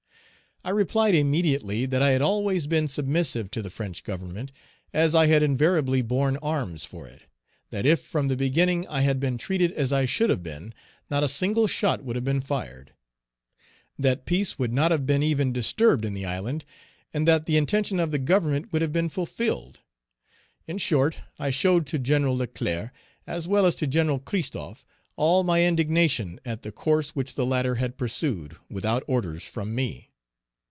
I replied immediately that I had always been submissive to the French Government, as I had invariably borne arms for it; that if from the beginning I had been treated as I should have been, not a single shot would have been fired; that peace would not have been even disturbed in the island, and that the intention of the Government would have been fulfilled. In short, I showed to Gen. Leclerc, as well as to Gen. Christophe, all my indignation at the course which the latter had pursued, without orders from me.